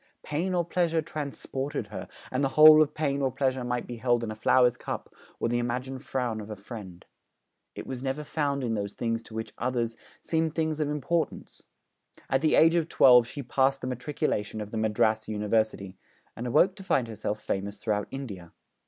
Pain or pleasure transported her, and the whole of pain or pleasure might be held in a flower's cup or the imagined frown of a friend. It was never found in those things which to others seemed things of importance. At the age of twelve she passed the Matriculation of the Madras University, and awoke to find herself famous throughout India.